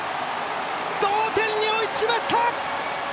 同点に追いつきました。